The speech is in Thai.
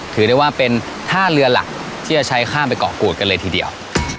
ถือได้ว่าเป็นท่าเรือหลักที่จะใช้ข้ามไปเกาะกูดกันเลยทีเดียว